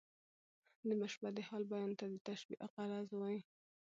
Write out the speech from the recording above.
د مشبه د حال بیان ته د تشبېه غرض وايي.